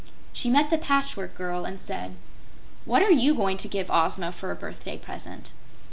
She met the Patchwork Girl and said: "What are you going to give Ozma for a birthday present?"